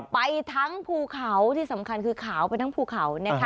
ไปทั้งภูเขาที่สำคัญคือขาวไปทั้งภูเขา